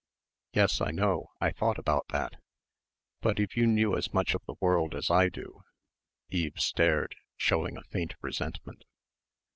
"Yes, I know I thought about that.... But if you knew as much of the world as I do...." Eve stared, showing a faint resentment.